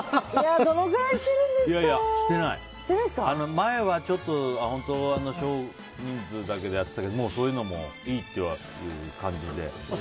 前は少人数だけでやってたけどもうそういうのはいいっていう感じで。